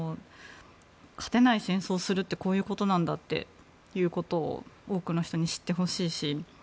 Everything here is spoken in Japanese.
勝てない戦争をするってこういうことなんだということを多くの人に知ってほしいし。